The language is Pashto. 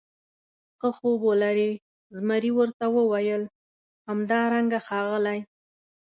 ښه خوب ولرې، زمري ورته وویل: همدارنګه ښاغلی.